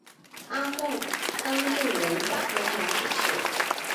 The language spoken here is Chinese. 阿贡当日人口变化图示